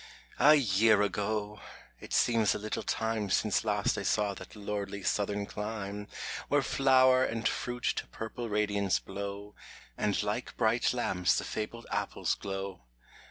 A year ago !— it seems a little time Since last I saw that lordly southern clime, Where flower and fruit to purple radiance blow, And like bright lamps the fabled apples glow.